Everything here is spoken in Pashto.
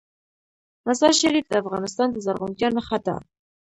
مزارشریف د افغانستان د زرغونتیا نښه ده.